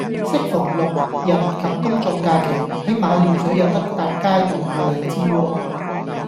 適逢六、日及公眾假期，喺馬料水有得搭街渡去荔枝窩